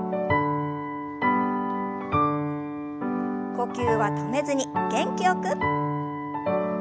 呼吸は止めずに元気よく。